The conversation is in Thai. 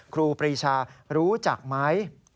ครูปรีชารู้จักไหม